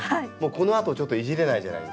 このあとちょっといじれないじゃないですか。